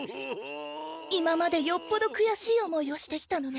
今までよっぽどくやしい思いをしてきたのね。